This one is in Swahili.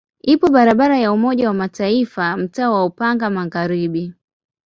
Ipo barabara ya Umoja wa Mataifa mtaa wa Upanga Magharibi.